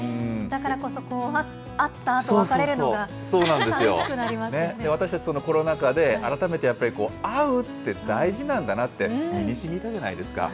だからこそ会ったあと、私たち、コロナ禍で改めて、やっぱり会うって大事なんだなって、身にしみたじゃないですか。